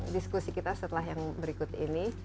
diskusi kita setelah yang berikut ini